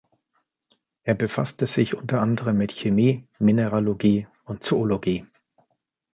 Er befasste sich unter anderem mit Chemie, Mineralogie und Zoologie.